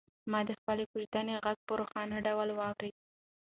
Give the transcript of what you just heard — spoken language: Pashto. ما د خپلې کوژدنې غږ په روښانه ډول واورېد.